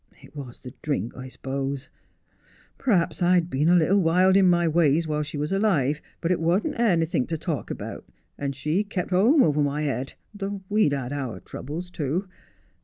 It was the drink, I suppose. Perhaps I'd been a little wild in my ways while she was alive, but it warn't anythink to talk about, and she kep' a home over my head, though we'd had our troubles too.